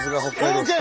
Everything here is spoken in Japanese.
ＯＫ！